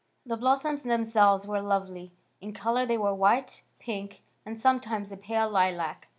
The blossoms themselves were lovely. In colour they were white, pink, and sometimes a pale lilac.